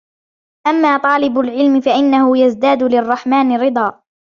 أَمَّا طَالِبُ الْعِلْمِ فَإِنَّهُ يَزْدَادُ لِلرَّحْمَنِ رِضًى